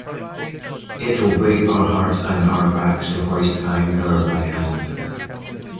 It will break our hearts and our backs to hoist anchor by hand.